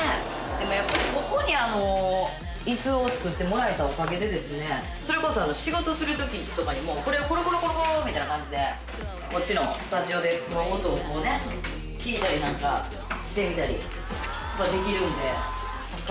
でもやっぱりここに椅子を作ってもらえたおかげでそれこそ仕事する時とかにもこれをコロコロコロコロみたい感じでこっちのスタジオでこの音をこうね聴いたりなんかしてみたりができるんで。